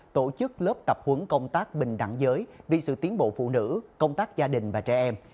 tổ chức lớp tập huấn công tác bình đẳng giới vì sự tiến bộ phụ nữ công tác gia đình và trẻ em